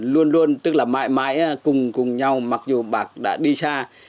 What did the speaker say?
luôn luôn tức là mãi mãi cùng cùng nhau mặc dù bác đã đi xa